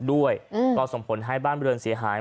ด้วยก็ส่งผลให้บ้านบริเวณเสียหาย